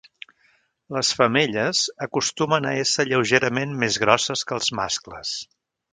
Les femelles acostumen a ésser lleugerament més grosses que els mascles.